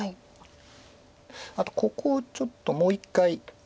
あとここをちょっともう１回。